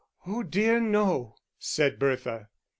"Oh, dear, no!" said Bertha.